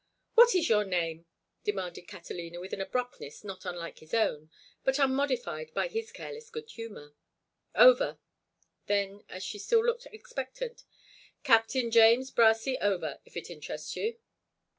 "What is your name?" demanded Catalina, with an abruptness not unlike his own, but unmodified by his careless good humor. "Over." Then, as she still looked expectant, "Captain James Brassy Over, if it interests you."